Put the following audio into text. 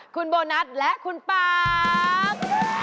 คุณโบนัสและคุณป๊าบ